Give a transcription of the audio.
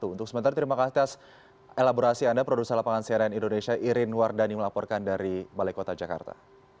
untuk sementara terima kasih atas elaborasi anda produser lapangan cnn indonesia irin wardani melaporkan dari balai kota jakarta